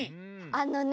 あのね